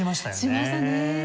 しましたね。